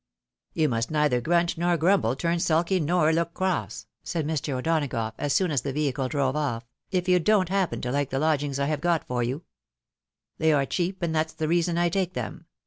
" You must neither grunt nor grumble, turn sulky nor look cross," said Mr. O'Donagough, as soon as the vehicle drove off, " if you don't happen to like the lodgings I have got for you. A DOMICILIAKYjCOMTKAST. 203 They are cheap, and that's the reason I take them.